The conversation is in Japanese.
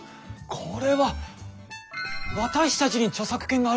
これは私たちに著作権があるってことですね！